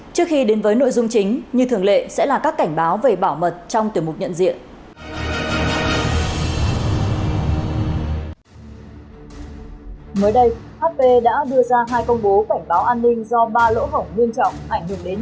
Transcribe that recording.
trước khi đến với nội dung chính như thường lệ sẽ là các cảnh báo về bảo mật trong tiểu mục nhận diện